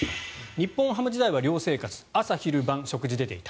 日本ハム時代は寮生活朝昼晩、食事が出ていた。